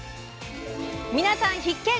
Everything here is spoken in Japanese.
皆さん必見！